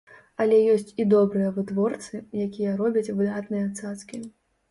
Але ёсць і добрыя вытворцы, якія робяць выдатныя цацкі.